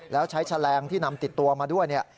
แล้วใช้แฉลงที่นำติดตัวมาด้วยเนี่ย